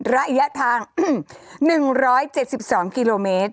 ระยะทาง๑๗๒กิโลเมตร